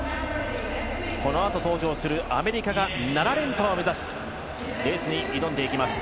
このあと登場するアメリカが７連覇を目指すそのレースに挑んでいきます。